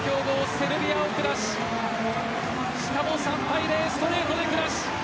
セルビアを下ししかも３対０、ストレートで下し